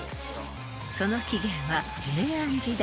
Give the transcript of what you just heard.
［その起源は平安時代。